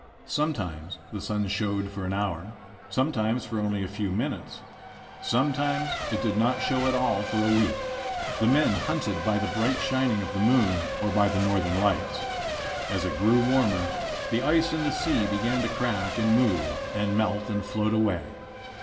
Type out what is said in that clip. Sometimes the sun showed for an hour, sometimes for only a few minutes, sometimes it did not show at all for a week. The men hunted by the bright shining of the moon or by the northern lights. As it grew warmer the ice in the sea began to crack and move and melt and float away.